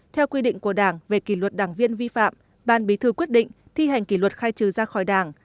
theo quy định của đảng về kỷ luật đảng viên vi phạm ban bí thư quyết định thi hành kỷ luật khai trừ ra khỏi đảng